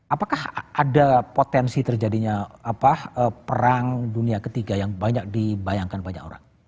apakah ada potensi terjadinya perang dunia ketiga yang banyak dibayangkan banyak orang